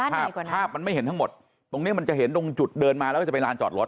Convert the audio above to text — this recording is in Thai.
ภาพภาพมันไม่เห็นทั้งหมดตรงเนี้ยมันจะเห็นตรงจุดเดินมาแล้วก็จะไปลานจอดรถ